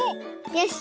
よし。